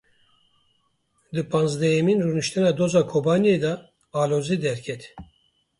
Di panzdehemîn rûniştina Doza Kobaniyê de alozî derket.